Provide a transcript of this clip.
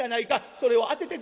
それを当ててくれはる